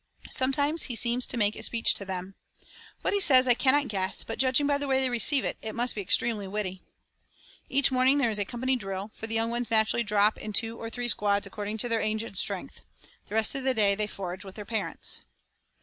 Sometimes he seems to make a speech to them. What he says I cannot guess, but judging by the way they receive it, it must be extremely witty. Each morning there is a company drill, for the young ones naturally drop into two or three squads according to their age and strength. The rest of the day they forage with their parents.